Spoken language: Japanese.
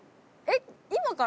えっ？